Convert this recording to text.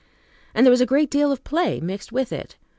And there was a great deal of play mixed with it.